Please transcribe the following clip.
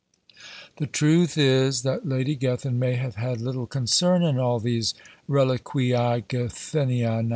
The truth is, that Lady Gethin may have had little concern in all these "ReliquiÃḊ GethinianÃḊ."